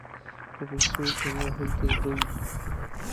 په پیسو یې چنې وهلو ته زړه و.